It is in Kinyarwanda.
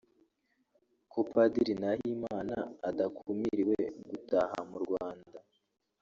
ko Padiri Nahimana adakumiriwe gutaha mu Rwanda